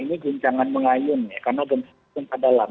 ini guncangan mengayun karena gempa dalam